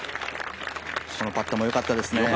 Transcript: このパットもよかったですね。